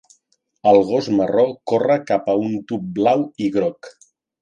El gos marró corre cap a un tub blau i groc.